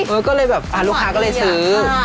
เออก็เลยแบบลูกค้าก็เลยซื้อ